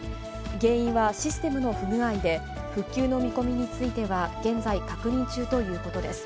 原因はシステムの不具合で、復旧の見込みについては、現在、確認中ということです。